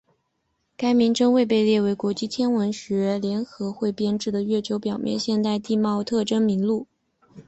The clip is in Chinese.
该名称未被列入国际天文学联合会编制的月球表面现代地貌特征名录。